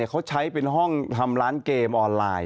เขาใช้เป็นห้องทำร้านเกมออนไลน์